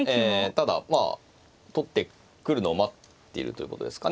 ただ取ってくるのを待っているということですかね。